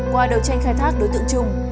qua đầu tranh khai thác đối tượng trung